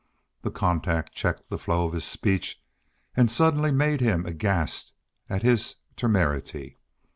The contact checked the flow of his speech and suddenly made him aghast at his temerity.